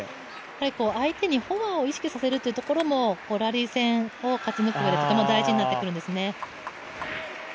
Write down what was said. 相手にフォアを意識させるというところもラリー戦を勝ち抜く上でとても大事になってくるんですね。